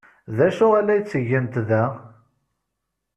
D acu ay la ttgent da?